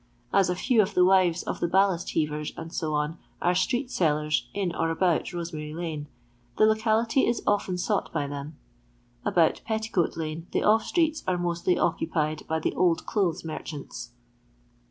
As a few of the wives of the balkst heavers, &c., are street sellers in or about Rose mary lane, the locality is often sought by them. About Petticoat lane the off streets are mostly occupied by the old clothes merchants.